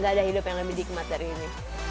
gak ada hidup yang lebih nikmat dari ini